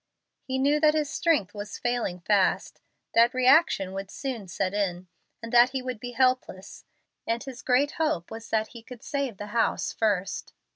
He knew that his strength was failing fast, that reaction would soon set in, and that he would be helpless, and his great hope was that he could save the house first.